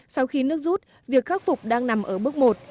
sau khi nước rút việc khắc phục đang nằm ở bước một